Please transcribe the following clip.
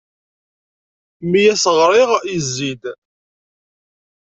Mi as-ɣriɣ, yezzi-d.